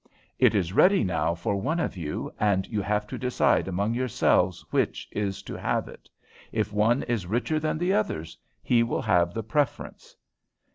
It is ready now for one of you, and you have to decide among yourselves which is to have it. If one is richer than the others, he will have the preference."